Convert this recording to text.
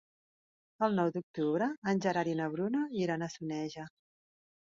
El nou d'octubre en Gerard i na Bruna iran a Soneja.